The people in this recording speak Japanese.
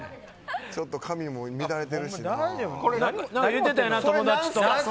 ちょっと髪も乱れてるしな。